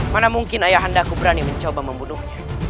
mana mungkin ayah andaku berani mencoba membunuhnya